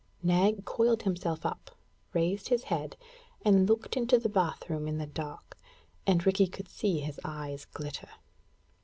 Nag coiled himself up, raised his head, and looked into the bath room in the dark, and Rikki could see his eyes glitter.